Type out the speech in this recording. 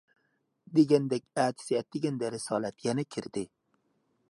دېگەندەك ئەتىسى ئەتىگەندە رىسالەت يەنە كىردى.